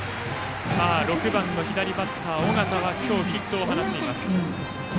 ６番、左バッターの尾形は今日、ヒットを放っています。